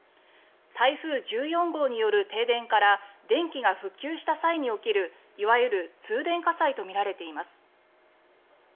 台風１４号による停電から電気が復旧した際に起きるいわゆる「通電火災」とみられています。